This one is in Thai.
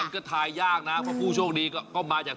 อ่ะเอาอย่างนี้คุณก็ต้องมีรางวัลจริง